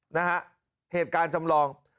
นะฮะเหตุการณ์จำลอง